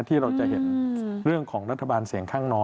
ที่เราจะเห็นเรื่องของรัฐบาลเสียงข้างน้อย